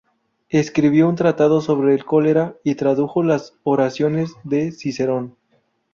Escribió un tratado sobre el cólera y tradujo las "Oraciones" de Cicerón.